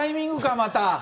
また。